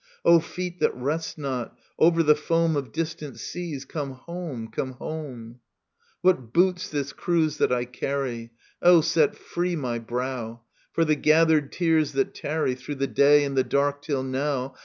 O feet that rest not, over the foam Of distant seas, come home, come home I What boots this cruse that I carry ? [Strophe 2. O, set free my brow I For the gathered tears that tarry ^ Through the day and the dark till now.